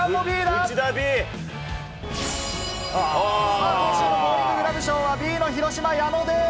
さあ、今週のゴーインググラブ賞は、Ｂの広島、矢野です。